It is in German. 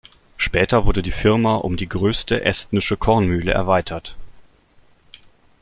Später wurde die Firma um die größte estnische Kornmühle erweitert.